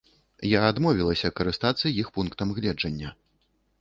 Я адмовілася карыстацца іх пунктам гледжання.